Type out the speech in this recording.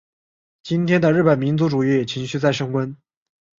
今天的日本民族主义情绪在升温。